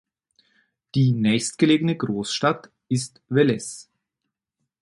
Die nächstgelegene Großstadt ist Veles.